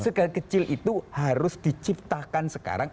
segala kecil itu harus diciptakan sekarang